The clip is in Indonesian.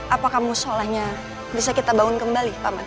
apakah musolahnya bisa kita bangun kembali pak man